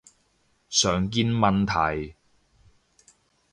常見問題